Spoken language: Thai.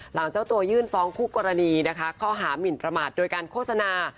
เจ้าตัวยื่นฟ้องคู่กรณีนะคะข้อหามินประมาทโดยการโฆษณา